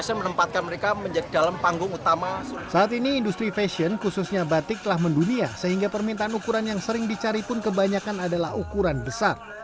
saat ini industri fashion khususnya batik telah mendunia sehingga permintaan ukuran yang sering dicari pun kebanyakan adalah ukuran besar